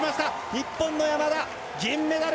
日本の山田、銀メダル！